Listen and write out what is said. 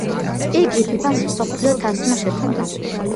იგი ფიფას მსოფლიო თასმა შეცვალა.